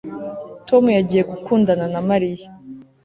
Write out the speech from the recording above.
Tom yagiye gukundana na Mariya